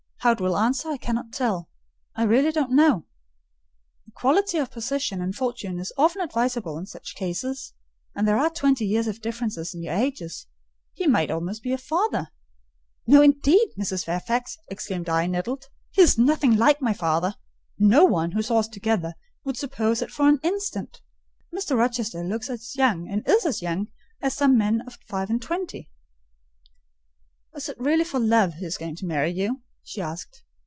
How it will answer, I cannot tell: I really don't know. Equality of position and fortune is often advisable in such cases; and there are twenty years of difference in your ages. He might almost be your father." "No, indeed, Mrs. Fairfax!" exclaimed I, nettled; "he is nothing like my father! No one, who saw us together, would suppose it for an instant. Mr. Rochester looks as young, and is as young, as some men at five and twenty." "Is it really for love he is going to marry you?" she asked.